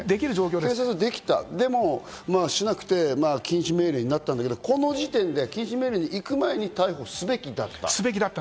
警察はできた、でもしなくて禁止命令になったけど、この時点で禁止命令に行く前に逮捕すべきだった。